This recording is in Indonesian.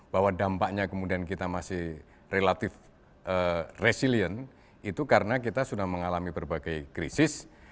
bahwa dampaknya kemudian kita masih relatif resilient itu karena kita sudah mengalami berbagai krisis